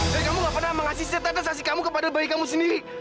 dan kamu gak pernah mengasih setatasasi kamu kepada bayi kamu sendiri